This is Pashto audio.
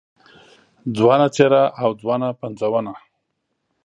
ځوانه څېره او ځوانه پنځونه